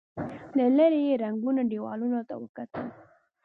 له ليرې يې ړنګو دېوالونو ته وکتل.